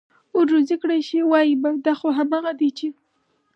ور روزي كړى شي، وايي به: دا خو همغه دي چې: